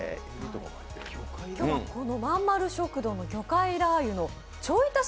今日は、まんまる食堂の魚介ラー油をちょい足し